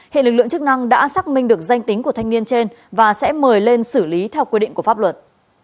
hệ lực lượng chức năng đã xác minh được danh tính của thanh niên trên và sẽ mời lên xử lý theo quy định của pháp luật